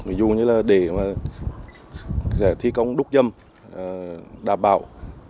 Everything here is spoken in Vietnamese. ví dụ như là để thi công đúc dâm đảm bảo